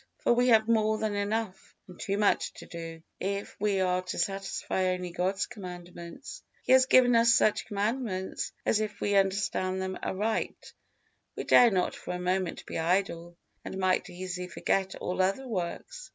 For we have more than enough and too much to do, if we are to satisfy only God's commandments. He has given us such commandments that if we understand them aright, we dare not for a moment be idle, and might easily forget all other works.